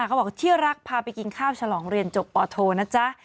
เขาบอกที่รักพาไปกินข้าวฉลองเรียนจบปโทนะจ๊ะ